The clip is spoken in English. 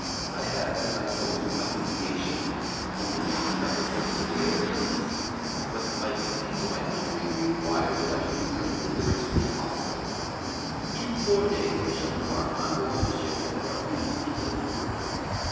I have, as I told you in my communication, only just recovered from a severe illness; but my duty to my country requires that I should return thither as soon as possible. In four days I shall embark on board the ship that brought you to England."